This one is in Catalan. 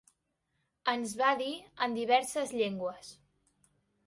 Ens va dir, en diverses llengües